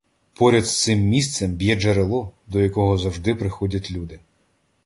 Поряд з цим місцем б'є джерело, до якого завжди приходять люди.